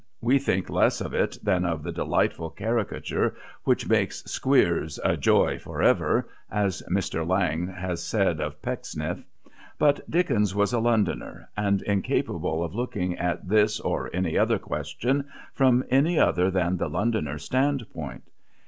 We think less of it than of the delightful caricature, which makes Squeers "a joy for ever," as Mr. Lang has said of Pecksniff. But Dickens was a Londoner, and incapable of looking at this or any other question from any other than the Londoner's standpoint.